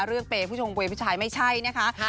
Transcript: เรื่องเปหมุยผู้ชมผู้ชายไม่ใช่นะครับ